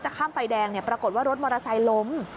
ข้ามไฟแดงปรากฏว่ารถมอเตอร์ไซค์ล้ม